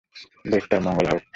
বেশ, তার মঙ্গল হোক।